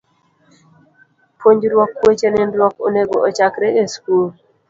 Puonjruok weche nindruok onego ochakre e skul.